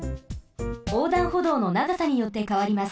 おうだんほどうのながさによってかわります。